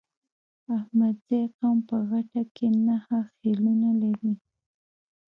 احمدزی قوم په غټه کې نهه خيلونه لري.